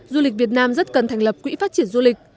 du lịch việt nam rất cần thành lập quỹ phát triển du lịch